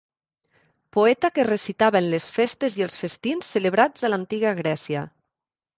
Poeta que recitava en les festes i els festins celebrats a l'antiga Grècia.